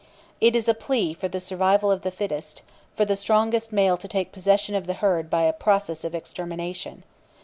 It is a plea for the survival of the fittest for the strongest male to take possession of the herd by a process of extermination.